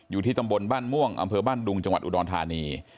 อยู่ที่ตำบลบ้านม่วงอำเภอบ้านดุงจังหวัดอุดรธานี